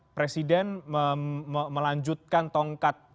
presiden melanjutkan tongkat